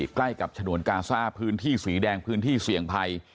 ใกล้กับฉนวนกาซ่าพื้นที่สีแดงพื้นที่เสี่ยงภัย